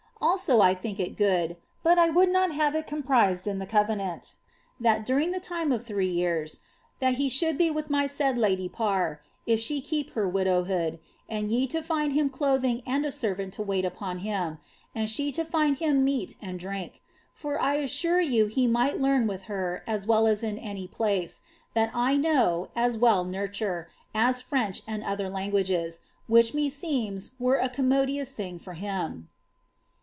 Also, I think it good (but I would ncMt have it comprised in the covenant) that, during the time of three years, thtt hi should be with my said lady Parr, if she keep her widowhood, and ye to find him clothing and a servant to wait upon him, and she to find him meat ind drink; for I assure you ho might learn with her as well as in any place — that I know, as M'ell nurture, as French, and other languages, which mc Mtemi were A commodious tiling for him.